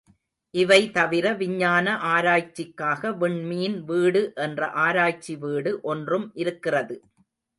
இவை தவிர, விஞ்ஞான ஆராய்ச்சிக்காக விண் மீன் வீடு என்ற ஆராய்ச்சி வீடு ஒன்றும் இருக்கிறது.